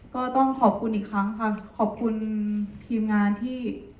ก็ต้องขอบคุณอีกครั้งค่ะขอบคุณทีมงานที่